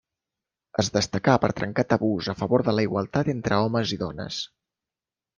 Es destacà per trencar tabús a favor de la igualtat entre homes i dones.